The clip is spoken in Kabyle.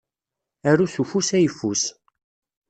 Aru s ufus ayeffus.